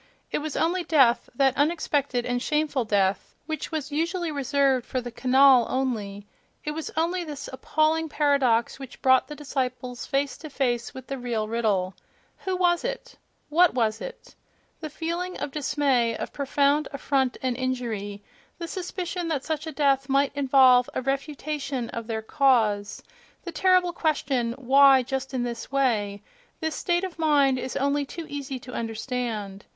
It was only death, that unexpected and shameful death; it was only the cross, which was usually reserved for the canaille only—it was only this appalling paradox which brought the disciples face to face with the real riddle: "Who was it? what was it?"—The feeling of dis may, of profound affront and injury; the suspicion that such a death might involve a refutation of their cause; the terrible question, "Why just in this way?"—this state of mind is only too easy to understand.